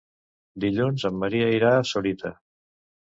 Dilluns en Maria irà a Sorita.